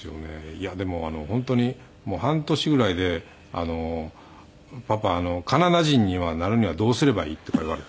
いやでも本当に半年ぐらいで「パパカナダ人になるにはどうすればいい？」とか言われて。